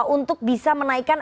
untuk bisa menaikkan